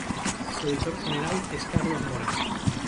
Su editor general es Carlos Mora.